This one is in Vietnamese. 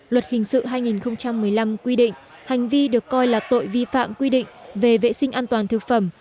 luật hình sự hai nghìn một mươi năm quy định hành vi được coi là tội vi phạm quy định về vệ sinh an toàn thực phẩm